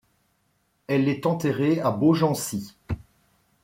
Elle est enterrée à Beaugency.